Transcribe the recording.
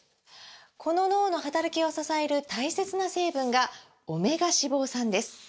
この脳の働きを支える大切な成分が「オメガ脂肪酸」です！